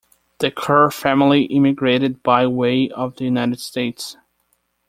The Kerr family immigrated by way of the United States.